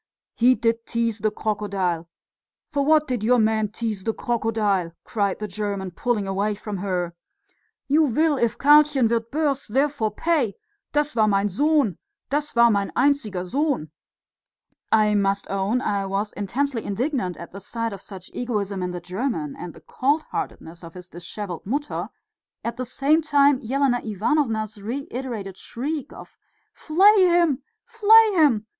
"He did tease the crocodile. For what did your man tease the crocodile?" cried the German, pulling away from her. "You will if Karlchen wird burst, therefore pay, das war mein Sohn, das war mein einziger Sohn." I must own I was intensely indignant at the sight of such egoism in the German and the cold heartedness of his dishevelled Mutter; at the same time Elena Ivanovna's reiterated shriek of "Flay him! flay him!"